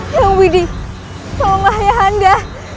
ya allah ya allah ya anda